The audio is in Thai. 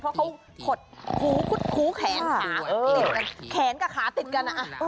เพราะเขาคุ้นแขนแขนกับขาติดกัน